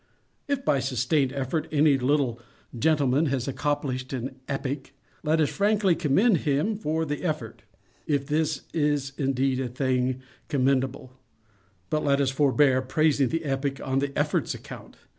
If, by "sustained effort," any little gentleman has accomplished an epic, let us frankly commend him for the effort—if this indeed be a thing conk mendable—but let us forbear praising the epic on the effort's account.